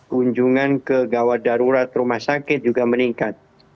kunjungan ke gawat darurat rumah sakit juga meningkat